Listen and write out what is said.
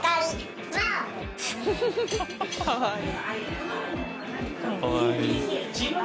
かわいい。